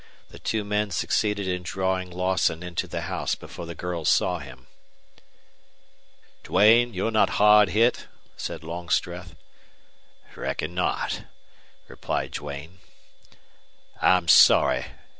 The two men succeeded in drawing Lawson into the house before the girls saw him. "Duane, you're not hard hit?" said Longstreth. "Reckon not," replied Duane. "I'm sorry.